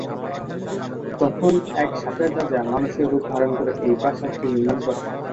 তখন এক সাপের রাজা মানুষের রূপ ধারণ করে এই প্রাসাদটি নির্মাণ করে।